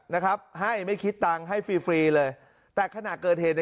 นะครับให้ไม่คิดตังค์ให้ฟรีฟรีเลยแต่ขณะเกิดเหตุใน